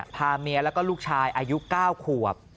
พาเมียแล้วก็ลูกชายอายุ๙ขวบ